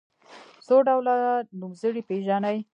څو ډوله نومځري پيژنئ.